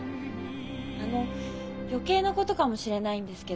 あの余計なことかもしれないんですけど